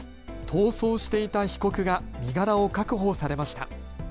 逃走していた被告が身柄を確保されました。